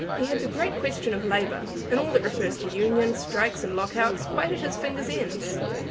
He had the great question of labour, and all that refers to unions, strikes, and lock outs, quite at his fingers' ends.